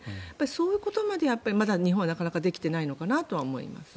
そういうことまでまだ日本はなかなかできてないのかなと思います。